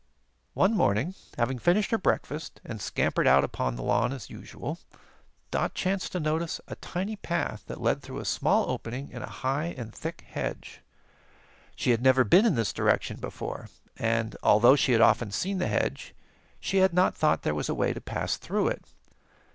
One morning, having finished her breakfast and scampered out upon the lawn, as usual, Dot chanced to notice a tiny path that led through a small opening in a high and thick hedge. She had never been in this direction before, and although she had often seen the hedge, she had not thought there was a way to pass through it.